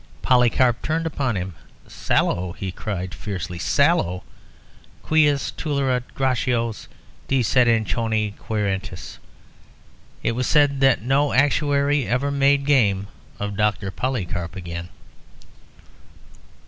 Polycarp turned upon him. 'Sallow!' he cried fiercely, 'sallow! Quis tulerit Gracchos de seditione querentes.' It was said that no actuary ever made game of Dr. Polycarp again."